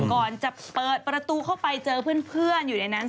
ก่อนจะเปิดประตูเข้าไปเจอเพื่อนอยู่ในนั้น